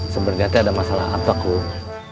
sebergatnya ada masalah apa kum